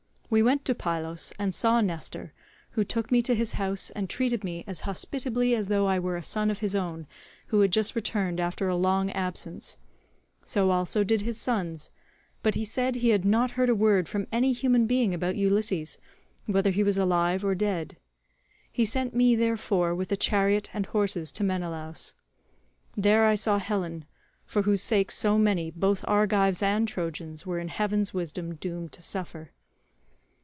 "We went to Pylos and saw Nestor, who took me to his house and treated me as hospitably as though I were a son of his own who had just returned after a long absence; so also did his sons; but he said he had not heard a word from any human being about Ulysses, whether he was alive or dead. He sent me, therefore, with a chariot and horses to Menelaus. There I saw Helen, for whose sake so many, both Argives and Trojans, were in heaven's wisdom doomed to suffer.